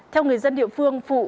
theo người dân địa phương vụ